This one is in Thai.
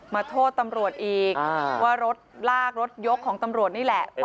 มาโทษตำรวจอีกว่ารถลากรถยกของตำรวจนี่แหละ